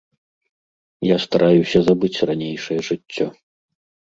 Я стараюся забыць ранейшае жыццё.